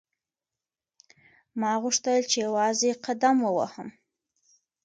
ما غوښتل چې یوازې قدم ووهم.